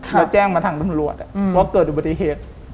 แล้วแจ้งมาทางตำรวจว่าเกิดอุบัติเหตุ